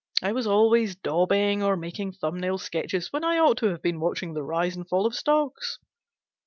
I was always daubing or making thumb nail sketches when I ought to have been watching the rise and fall of stocks.